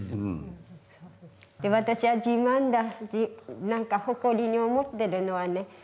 私は自慢だ何か誇りに思ってるのはね